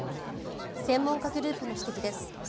専門家グループの指摘です。